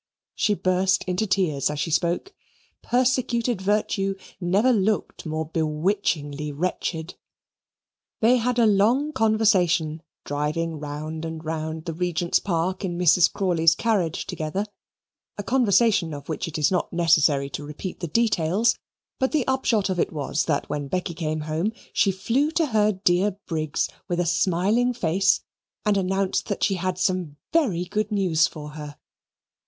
She burst into tears as she spoke. Persecuted virtue never looked more bewitchingly wretched. They had a long conversation, driving round and round the Regent's Park in Mrs. Crawley's carriage together, a conversation of which it is not necessary to repeat the details, but the upshot of it was that, when Becky came home, she flew to her dear Briggs with a smiling face and announced that she had some very good news for her.